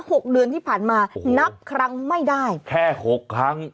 หกเดือนที่ผ่านมานับครั้งไม่ได้แค่หกครั้ง